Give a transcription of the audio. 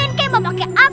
kayaknya mau pakai apa